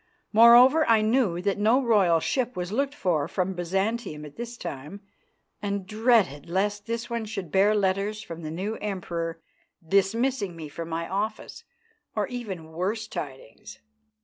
Moreover, I knew that no royal ship was looked for from Byzantium at this time, and dreaded lest this one should bear letters from the new Emperor dismissing me from my office, or even worse tidings.